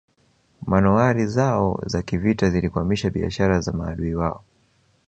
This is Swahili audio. Manowari zao za kivita zilikwamisha biashara za maadui wao